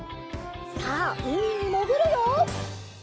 さあうみにもぐるよ！